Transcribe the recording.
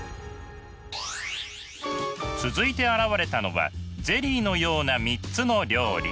続いて現れたのはゼリーのような３つの料理。